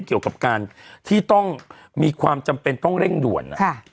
เกี่ยวกับการที่ต้องมีความจำเป็นต้องเร่งด่วน